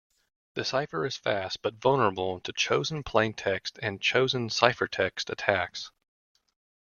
The cipher is fast, but vulnerable to chosen plaintext and chosen ciphertext attacks.